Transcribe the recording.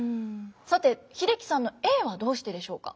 さて英樹さんのＡはどうしてでしょうか？